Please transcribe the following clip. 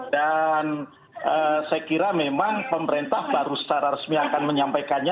dan saya kira memang pemerintah baru secara resmi akan menyampaikannya